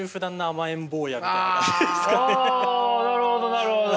あなるほどなるほど。